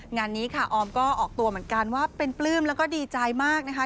งานนี้ค่ะออมก็ออกตัวเหมือนกันว่าเป็นปลื้มแล้วก็ดีใจมากนะคะ